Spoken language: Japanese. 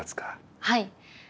はい。